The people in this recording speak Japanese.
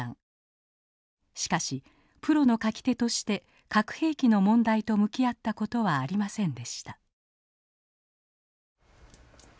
しかしプロの書き手として核兵器の問題と向き合った事はありませんでした。